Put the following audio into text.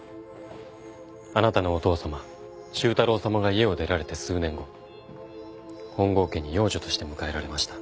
あなたのお父さま周太郎さまが家を出られて数年後本郷家に養女として迎えられました。